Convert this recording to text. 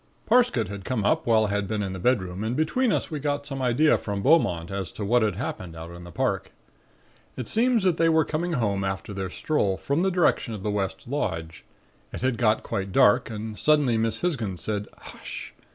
"Parsket had come up while I had been in the bedroom and between us we got some idea from Beaumont as to what had happened out in the Park. It seems that they were coming home after their stroll from the direction of the West Lodge. It had got quite dark and suddenly Miss Hisgins said: 'Hush!'